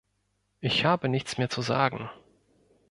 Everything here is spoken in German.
Ich habe nichts mehr zu sagen.